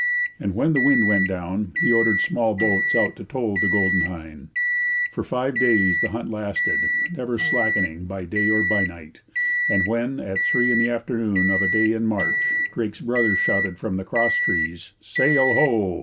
And when the wind went down he ordered small boats out to tow the Golden Hind. For five days the hunt lasted, never slackening by day or by night; and when, at three in the afternoon of a day in March, Drake's brother shouted from the cross trees, 'Sail ho!'